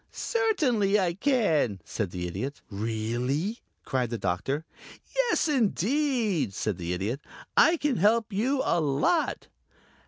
"Certainly I can," said the Idiot. "Really?" cried the Doctor. "Yes, indeed," said the Idiot. "I can help you a lot."